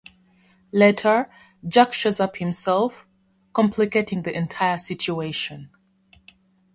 Later, Jack shows up himself, complicating the entire situation.